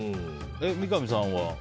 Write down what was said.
三上さんは？